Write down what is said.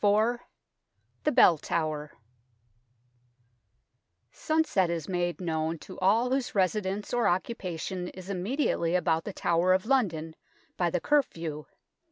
IV THE BELL TOWER SUNSET is made known to all whose residence or occupation is immedi ately about the Tower of London by the curfew.